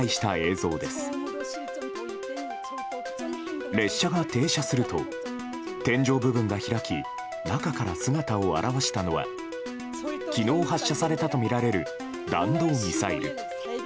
列車が停車すると天井部分が開き中から姿を現したのは昨日発射されたとみられる弾道ミサイル。